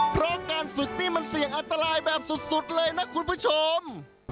เพราะการฝึกนี่มันเสี่ยงอันตรายแบบสุดเลยนะคุณผู้ชม